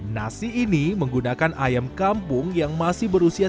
nasi ini menggunakan ayam kampung yang masih berusia tiga tahun